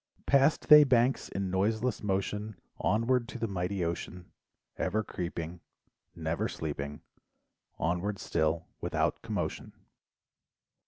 Past they banks in noiseless motion, Onward to the mighty ocean, Ever creeping Never sleeping Onward still without commotion.